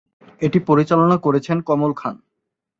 এটি পরিচালনা করেছেন কমল খান।